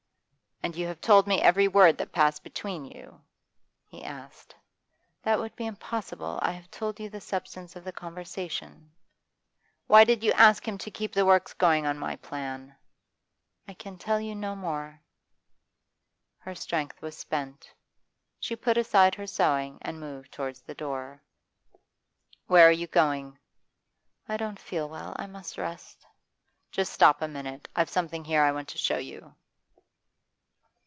'And you have told me every word that passed between you?' he asked. 'That would be impossible. I have told you the substance of the conversation.' 'Why did you ask him to keep the works going on my plan?' 'I can tell you no more.' Her strength was spent. She put aside her sewing and moved towards the door. 'Where are you going?' 'I don't feel well. I must rest.' 'Just stop a minute. I've something here I want to show you.